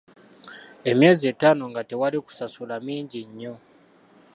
Emyezi ettaano nga tewali kusasula mingi nnyo.